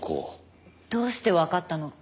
どうしてわかったの？